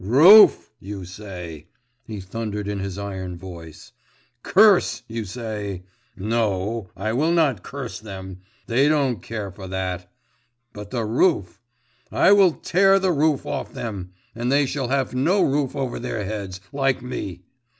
'Roof, you say!' he thundered in his iron voice, 'curse, you say.… No! I will not curse them.… They don't care for that.… But the roof … I will tear the roof off them, and they shall have no roof over their heads, like me.